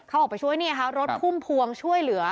เขาออกไปช่วยเนี่ยค่ะรถพุ่มพวงช่วยเหลือ